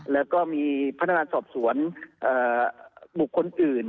แล้วก็มีพนักงานสอบสวนบุคคลอื่น